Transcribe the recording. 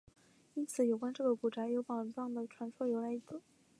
因此有关这个古宅有宝藏的传说由来已久。